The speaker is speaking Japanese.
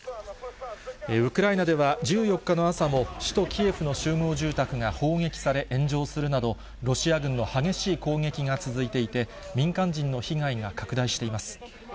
ウクライナでは１４日の朝も、首都キエフの集合住宅が砲撃され、炎上するなど、ロシア軍の激しい攻撃が続いていて、民間人の被害が拡大しています。